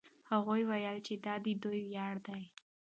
هغوی وویل چې دا د دوی ویاړ دی.